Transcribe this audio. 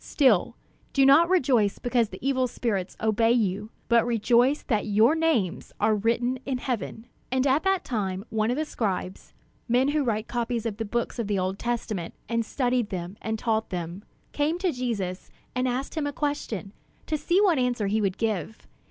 Still, do not rejoice because the evil spirits obey you; but rejoice that your names are written in heaven." And at that time, one of the scribes men who wrote copies of the books of the Old Testament, and studied them, and taught them came to Jesus and asked him a question, to see what answer he would give.